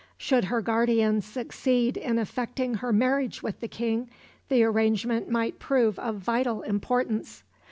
Should her guardian succeed in effecting her marriage with the King the arrangement might prove of vital importance.